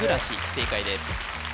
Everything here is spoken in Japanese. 正解です